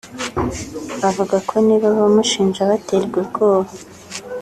avuga ko niba abamushinja baterwa ubwoba